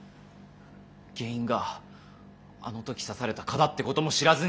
原因があの時刺された蚊だってことも知らずに。